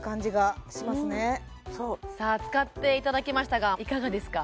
使っていただきましたがいかがですか？